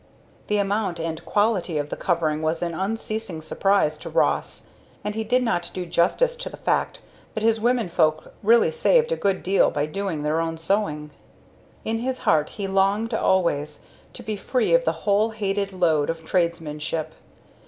The amount and quality of the covering was an unceasing surprise to Ross, and he did not do justice to the fact that his womenfolk really saved a good deal by doing their own sewing. In his heart he longed always to be free of the whole hated load of tradesmanship.